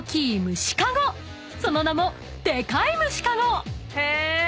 ［その名もデカイ虫かご］